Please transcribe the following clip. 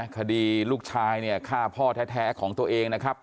คดีลูกชายเนี่ยฆ่าพ่อแท้ของตัวเองนะครับ